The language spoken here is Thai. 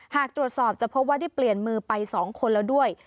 หากตรวจสอบจะพบว่าได้เปลี่ยนมือไป๒คนแล้วด้วย